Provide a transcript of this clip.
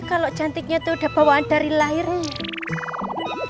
kalau cantiknya itu udah bawaan dari lahirnya